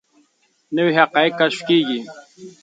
نوي حقایق کشف کیږي.